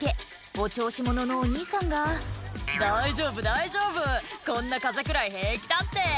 お調子者のお兄さんが「大丈夫大丈夫こんな風くらい平気だって」